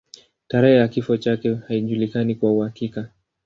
Tarehe ya kifo chake haijulikani kwa uhakika.